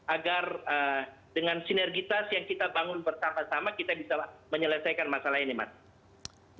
agar dengan sinergitas yang kita bangun bersama sama kita bisa menyelesaikan masalah ini mas